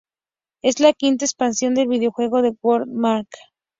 Es la quinta expansión del videojuego de World of Warcraft.